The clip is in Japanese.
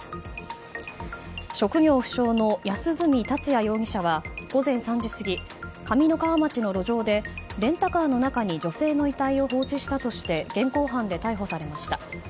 職業不詳の安栖達也容疑者は午前３時過ぎ、上三川町の路上でレンタカーの中に女性の遺体を放置したとして現行犯で逮捕されました。